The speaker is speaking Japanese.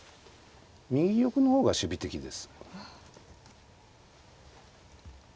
右玉の方が守備的です。